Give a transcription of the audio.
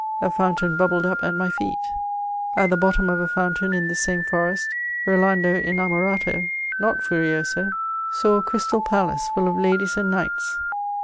A fountain bubbled up at my feet ; at the bottom of a foontain in this same forest Rolando inctmorato^ not furioso, saw a crystal palace, full of ladies and knights.